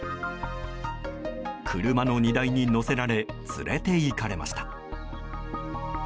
車の荷台に載せられ連れていかれました。